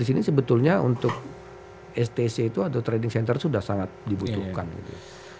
dan kebetulan untuk spc itu atau trading center sudah sangat dibutuhkan gitu ya